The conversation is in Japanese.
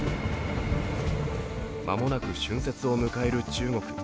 間もなく春節を迎える中国。